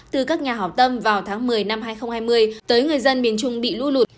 từ các nhà hảo tâm vào tháng một mươi năm hai nghìn hai mươi tới người dân miền trung bị lũ lụt